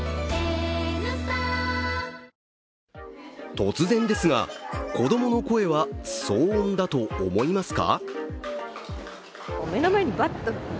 突然ですが、子供の声は騒音だと思いますか？